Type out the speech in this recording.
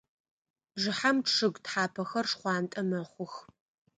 Бжыхьэм чъыг тхьапэхэр шхъуантӏэ мэхъух.